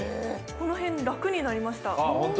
この辺楽になりました。